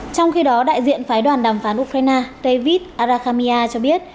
trong khi đó đại diện phái đoàn đàm phán ukraine david arakamiya cho biết